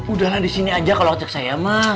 udahlah di sini aja kalau cek saya ma